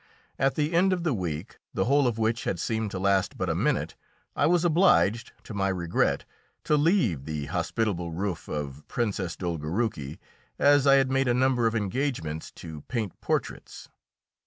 At the end of the week, the whole of which had seemed to last but a minute, I was obliged, to my regret, to leave the hospitable roof of Princess Dolgoruki, as I had made a number of engagements to paint portraits.